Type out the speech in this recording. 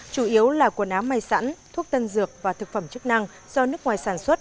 chủ yếu là quần áo may sẵn thuốc tân dược và thực phẩm chức năng do nước ngoài sản xuất